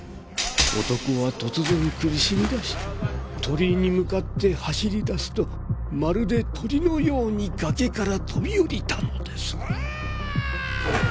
男は突然苦しみ出し鳥居に向かって走り出すとまるで鳥のように崖から飛び降りたのです。